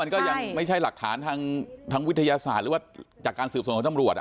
มันก็ยังไม่ใช่หลักฐานทางวิทยาศาสตร์หรือว่าจากการสืบสวนของตำรวจ